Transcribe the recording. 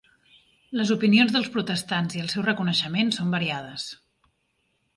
Les opinions dels protestants i el seu reconeixement són variades.